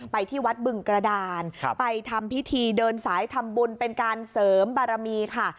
ที่วัดบึงกระดานไปทำพิธีเดินสายทำบุญเป็นการเสริมบารมีค่ะ